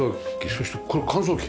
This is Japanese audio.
そしてこれ乾燥機？